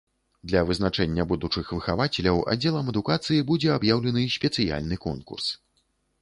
Для вызначэння будучых выхавацеляў аддзелам адукацыі будзе аб'яўлены спецыяльны конкурс.